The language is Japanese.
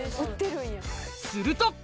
すると！